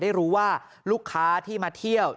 ได้รู้ว่าลูกค้าที่มาเที่ยว